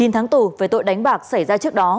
chín tháng tù về tội đánh bạc xảy ra trước đó